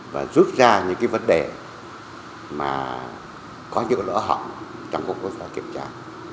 và rút ra những vấn đề mà có những lỡ họng chẳng cũng có thể kiểm tra